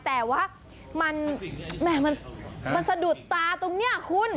แต่ว่ามันสะดุดตาตรงนี้คุณ